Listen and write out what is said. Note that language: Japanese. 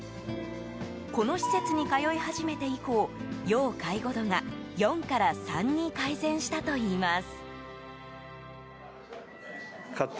この施設に通い始めて以降要介護度が、４から３に改善したといいます。